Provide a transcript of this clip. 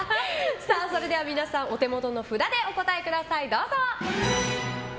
皆さん、お手元の札でお答えください。